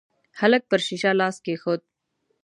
هلک پر شيشه لاس کېښود.